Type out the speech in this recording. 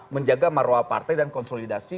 menjaga marwah partai dan konsolidasi